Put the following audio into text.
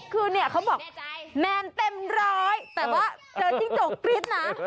คือเนี่ยเขาบอกแนนเต็มร้อยแต่ว่าเจอจิ้งจกปริ๊ดนะ